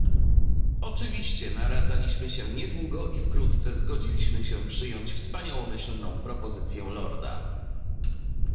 "Oczywiście, naradzaliśmy się niedługo i wkrótce zgodziliśmy się przyjąć wspaniałomyślną propozycję lorda."